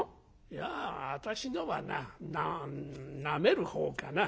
「いや私のはななめる方かな。